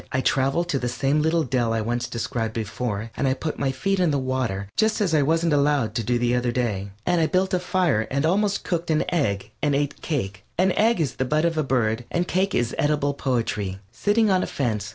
I traveled to the same little dell I described before, and I put my feet in the water just as I wasn't allowed to do the other day. And I built a fire and almost cooked an egg and ate cake (an egg is the bud of a bird, and cake is edible poetry) sitting on a fence.